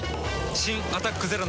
新「アタックＺＥＲＯ」